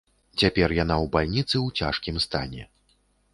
Цяпер яна ў бальніцы ў цяжкім стане.